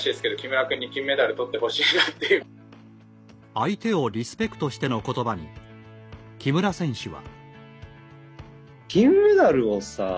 相手をリスペクトしてのことばに木村選手は。